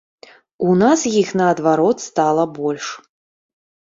У нас іх наадварот стала больш.